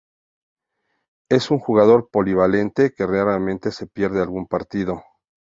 Es un jugador polivalente que raramente se pierde algún partido.